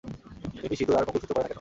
মিমি সিঁদুর আর মঙ্গলসূত্র পরে না কেন?